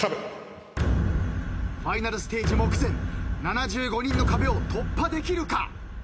ファイナルステージ目前７５人の壁を突破できるか？